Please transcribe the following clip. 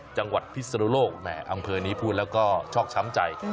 พิศนุโลกแหมอำเภอนี้พูดแล้วก็ชอกช้ำใจ